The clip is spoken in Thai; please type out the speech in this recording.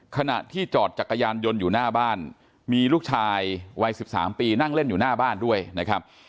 ขณะที่จอดจักรยานยนต์อยู่หน้าบ้านมีลูกชายวัย๑๓ปีนั่งเล่นอยู่หน้าบ้านด้วยนะครับ